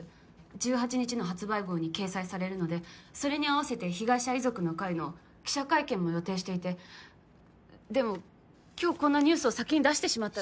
１８日の発売号に掲載されるのでそれに合わせて被害者遺族の会の記者会見も予定していてでも今日こんなニュースを先に出してしまったら。